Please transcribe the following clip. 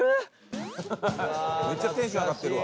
伊達：めっちゃテンション上がってるわ。